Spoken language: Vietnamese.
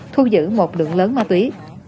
thu giữ một lượng lớn ma túy